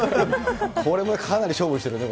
これもかなり勝負してるね。